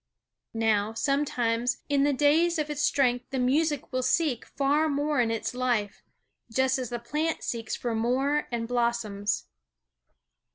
Now, sometimes, in the days of its strength the music will seek far more in its life, just as the plant seeks for more and blossoms.